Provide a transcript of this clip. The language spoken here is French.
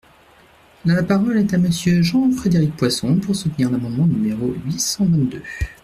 La parole est à Monsieur Jean-Frédéric Poisson, pour soutenir l’amendement numéro huit cent vingt-deux.